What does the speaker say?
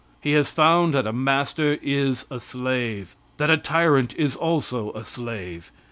He has found that a master is a slave; that a tyrant is also a slave.